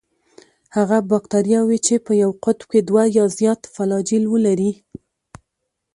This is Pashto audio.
هغه باکتریاوې چې په یو قطب کې دوه یا زیات فلاجیل ولري.